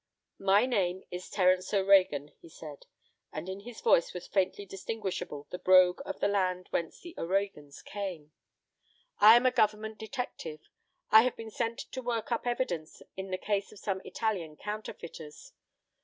"My name is Terence O'Reagan," he said, and in his voice was faintly distinguishable the brogue of the land whence the O'Reagans came. "I am a government detective. I have been sent to work up evidence in the case of some Italian counterfeiters.